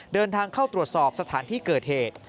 เดินทางเข้าตรวจสอบสถานที่เกิดเหตุ